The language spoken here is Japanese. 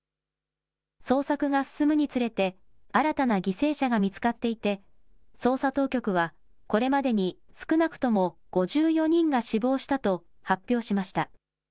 捜索が進むにつれて、新たな犠牲者が見つかっていて、捜査当局は、これまでに少なくとも５４人が死亡したと発表しました。